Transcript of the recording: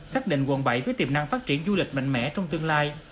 xác định quận bảy với tiềm năng phát triển du lịch mạnh mẽ trong tương lai